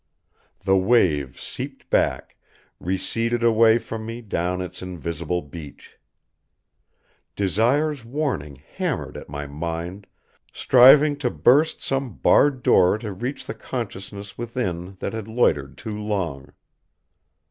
_" The wave seeped back, receded away from me down its invisible beach. Desire's warning hammered at my mind, striving to burst some barred door to reach the consciousness within that had loitered too long.